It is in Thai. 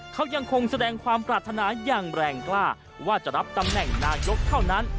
เขายังคงแสดงความปรารถนาอย่างแรงกล้าว่าจะรับตำแหน่งนายกเท่านั้น